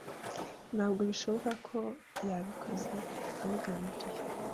Ntabwo bishoboka ko yabikoze abigambiriye.